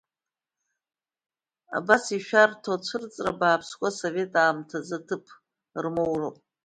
Абас ишәарҭоу ацәырҵра бааԥсқәа асовет аамҭазы аҭыԥ рмоуроуп.